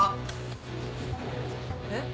えっ？